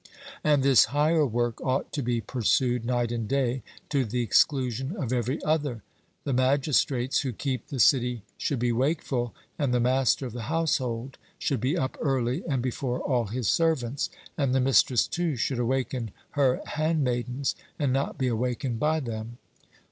And this higher work ought to be pursued night and day to the exclusion of every other. The magistrates who keep the city should be wakeful, and the master of the household should be up early and before all his servants; and the mistress, too, should awaken her handmaidens, and not be awakened by them.